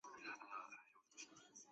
吕护被授予冀州刺史。